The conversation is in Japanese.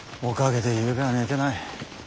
おかげでゆうべは寝てない。